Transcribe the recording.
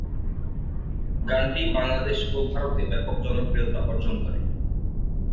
গানটি বাংলাদেশ ও ভারতে ব্যাপক জনপ্রিয়তা অর্জন করে।